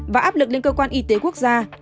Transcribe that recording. và áp lực lên cơ quan y tế quốc gia